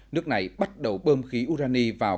nước này bắt đầu bơm khí urani vào